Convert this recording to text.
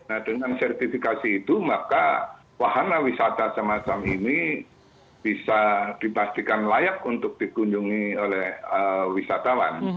nah jika ada sertifikasi itu maka wahana wisata macam macam ini bisa dibastikan layak untuk dikunjungi oleh wisatawan